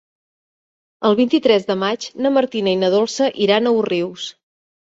El vint-i-tres de maig na Martina i na Dolça iran a Òrrius.